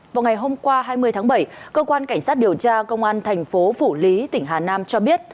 vào ngày hôm qua hai mươi tháng bảy cơ quan cảnh sát điều tra công an thành phố phủ lý tỉnh hà nam cho biết